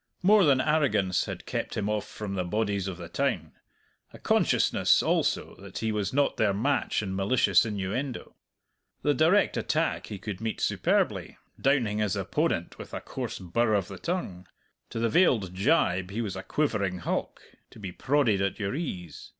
More than arrogance had kept him off from the bodies of the town; a consciousness also that he was not their match in malicious innuendo. The direct attack he could meet superbly, downing his opponent with a coarse birr of the tongue; to the veiled gibe he was a quivering hulk, to be prodded at your ease.